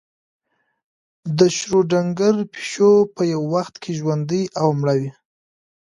د شروډنګر پیشو په یو وخت کې ژوندۍ او مړه وي.